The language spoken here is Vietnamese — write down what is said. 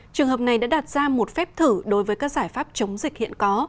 trường hợp này đã đặt ra một phép thử đối với các giải pháp chống dịch hiện có